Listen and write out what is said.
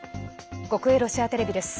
国営ロシアテレビです。